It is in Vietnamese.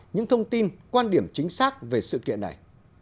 những thông tin quan điểm chính xác về sự kiện này